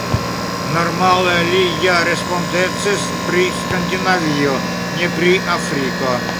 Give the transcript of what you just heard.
Normale li ja respondecis pri Skandinavio, ne pri Afriko.